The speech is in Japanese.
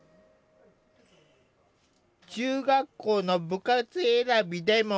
中学校の部活選びでも。